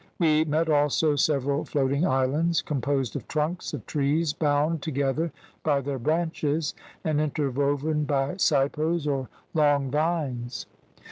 We met, also, several floating islands, composed of trunks of trees bound together by their branches, and interwoven by sipos or long vines.